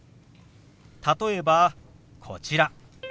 例えばこちら。